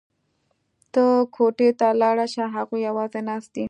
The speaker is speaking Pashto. ته کوټې ته لاړه شه هغوی یوازې ناست دي